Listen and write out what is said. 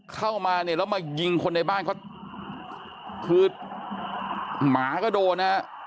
เข้ามาเนี่ยแล้วมายิงคนในบ้าน